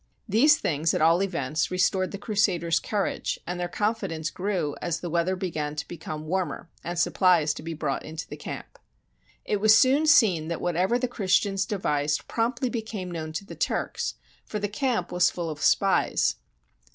These things, at all events, restored the Crusaders' cour age, and their confidence grew as the weather be gan to become warmer and supplies to be brought into the camp. It was soon seen that whatever the Christians de vised promptly became known to the Turks, for the camp was full of spies.